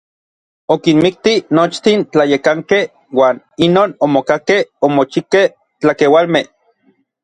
Okinmikti nochtin tlayekankej uan inon omokakej omochikej tlakeualmej.